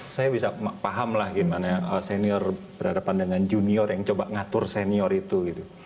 saya bisa pahamlah gimana senior berhadapan dengan junior yang coba ngatur senior itu